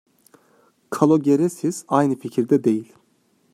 Kalogeresis aynı fikirde değil.